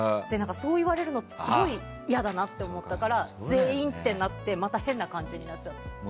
そう言われるのってすごく嫌だなと思ったから全員ってなってまた、変な感じになっちゃう。